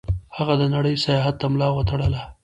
هغه د نړۍ سیاحت ته ملا وتړله.